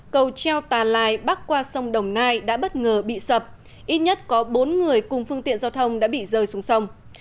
cầu treo tà lài bắc qua sông đồng nai đã bất ngờ bị sập ít nhất có bốn người cùng phương tiện giao thông đã bị rơi xuống sông